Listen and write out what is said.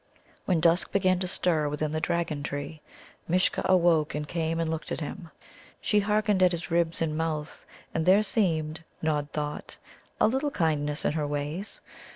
When dusk began to stir within the Dragon tree, Mishcha awoke and came and looked at him. She hearkened at his ribs and mouth, and there seemed, Nod thought, a little kindness in her ways.